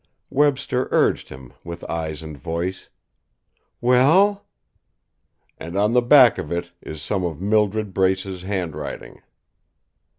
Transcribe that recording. Webster urged him, with eyes and voice: "Well?" "And on the back of it is some of Mildred Brace's handwriting."